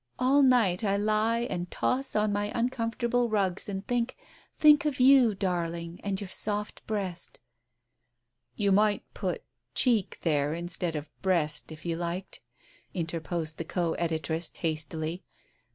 ' All night I lie and toss on my uncomfortable rugs, and think — think of you, darling, and your soft breast I '" "You might put ' cheek ' there, instead of ' breast,' if you liked?" interposed the co editress hastily.